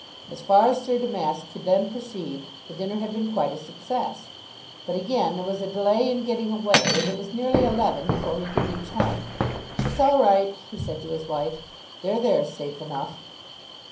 As far as Sir Damask could then perceive, the dinner had been quite a success. But again there was a delay in getting away, and it was nearly eleven before he could reach home. "It's all right," said he to his wife. "They're there, safe enough."